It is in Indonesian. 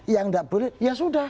yang tidak boleh ya sudah